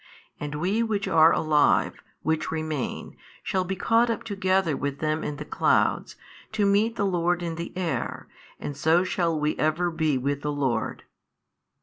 And we which are alive, which remain, shall be caught up together with them in the clouds, to meet the Lord in the air, and so shall we ever be with the Lord.